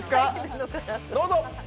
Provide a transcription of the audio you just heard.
どうぞ！